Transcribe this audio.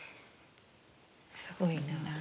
すごいな。